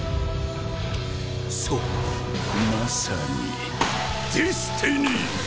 そうまさにディスティニー！